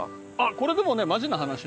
これでもねマジな話ね